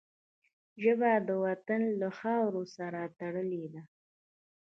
ژبه د وطن له خاورو سره تړلې ده